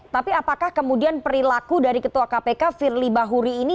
tapi apakah kemudian perilaku dari ketua kpk firly bahuri ini